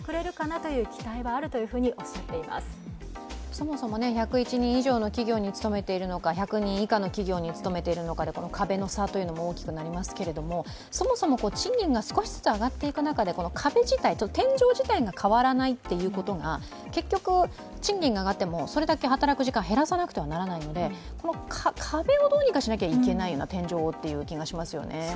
そもそも１０１人以上に企業に勤めているのか、１００人以下の企業で勤めているのかっていう違いも大きくなりますけれども、そもそも賃金が少しずつ上がっていく中で、この壁、天井自体が変わらないっていうことが結局賃金が上がってもそれだけ働く時間減らさなくてはならないので壁をどうにかしなきゃいけない、天井をっていう気がしますよね。